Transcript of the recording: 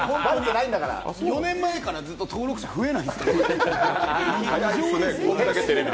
４年前からずっと登録者、増えないんです。